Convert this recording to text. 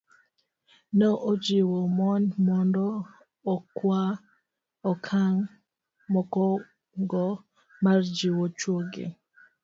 Ne ojiwo mon mondo okaw okang' mokwongo mar jiwo chwogi